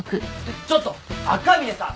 ちょっと赤嶺さん！